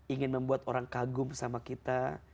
ingin membuat orang kagum sama kita